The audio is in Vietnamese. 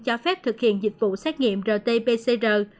cho phép thực hiện dịch vụ xét nghiệm rt pcr